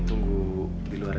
tunggu di luar